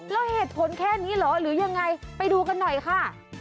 แล้วเหตุผลแค่นี้เหรอหรือยังไงไปดูกันหน่อยค่ะ